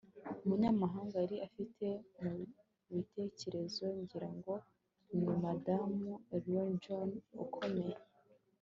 umunyamahanga yari afite mubitekerezo ngira ngo ni madamu eleanor john, ukomeye